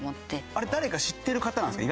あれ誰か知ってる方なんですか？